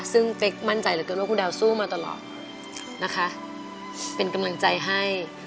ซึ่งเป๊กมั่นใจเหลือเกินว่าคุณดาวสู้มาตลอดนะคะเป็นกำลังใจให้